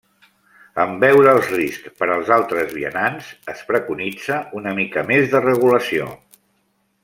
En veure els riscs per als altres vianants, es preconitza una mica més de regulació.